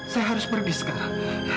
saya harus pergi sekarang